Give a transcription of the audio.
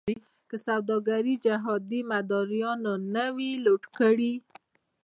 که سوداګري جهادي مداریانو نه وی لوټ کړې.